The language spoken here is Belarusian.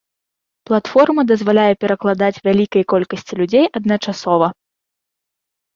Платформа дазваляе перакладаць вялікай колькасці людзей адначасова.